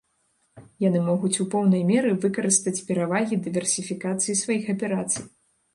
Яны могуць у поўнай меры выкарыстаць перавагі дыверсіфікацыі сваіх аперацый.